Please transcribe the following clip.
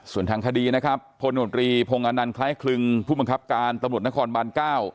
ส่วนทางคดีนะครับพนพงศคล้ายคลึงผู้บังคับการตำรวจนครบาน๙